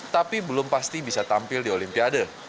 tapi belum pasti bisa tampil di olimpiade